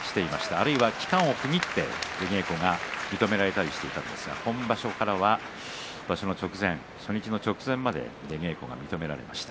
あるいは期間を区切って出稽古が認められたりしていたんですが今場所からは場所の直前初日の直前まで出稽古が認められました。